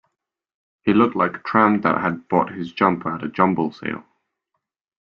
He looked like a tramp that had bought his jumper at a jumble sale